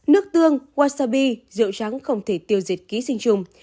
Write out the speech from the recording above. nước tương wasabi rượu trắng không thể tiêu diệt ký sinh trùng